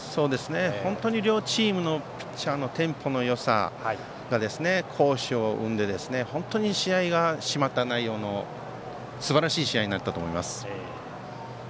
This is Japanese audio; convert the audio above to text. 本当に両チームのピッチャーのテンポのよさ好守を生んで、本当に試合が締まった内容のすばらしい試合になったと思います。